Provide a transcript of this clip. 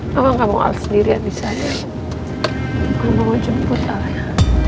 mama gak mau al sendirian di sana mama mau jemput al ya